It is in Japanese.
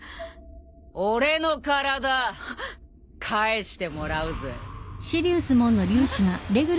俺の体返してもらうぜ。